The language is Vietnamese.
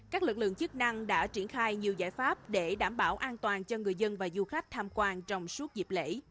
các lực lượng chức năng đã triển khai nhiều giải pháp để đảm bảo an toàn cho người dân và du khách tham quan trong suốt dịp lễ